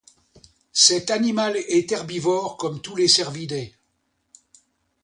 Cet animal est herbivore, comme tous les cervidés.